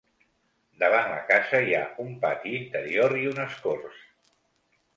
Davant la casa hi ha un pati interior i unes corts.